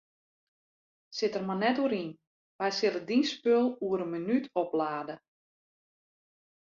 Sit der mar net oer yn, wy sille dyn spul oer in minút oplade.